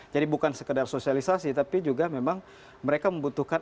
jadi bukan sekedar sosialisasi tapi juga memang mereka membutuhkan